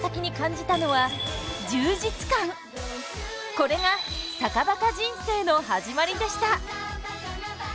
これが坂バカ人生の始まりでした。